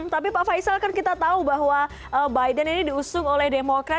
tapi pak faisal kan kita tahu bahwa biden ini diusung oleh demokrat